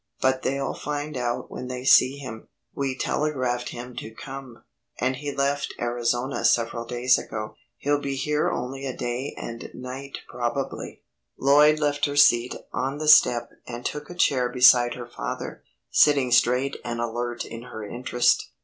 But they'll find out when they see him. We telegraphed him to come, and he left Arizona several days ago. He'll be here only a day and night probably." Lloyd left her seat on the step and took a chair beside her father, sitting straight and alert in her interest.